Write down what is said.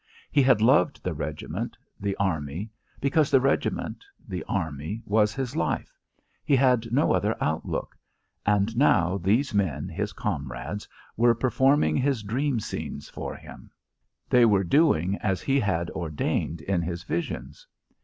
He had loved the regiment, the army, because the regiment, the army, was his life, he had no other outlook; and now these men, his comrades, were performing his dream scenes for him; they were doing as he had ordained in his visions.